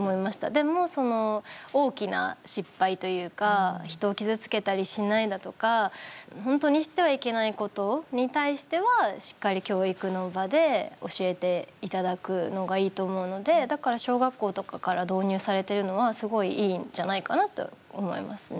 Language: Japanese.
でも、大きな失敗というか人を傷つけたりしないだとか本当にしてはいけないことに対しては、しっかり教育の場で教えていただくのがいいと思うのでだから、小学校とかから導入されてるのはすごい、いいんじゃないかなと思いますね。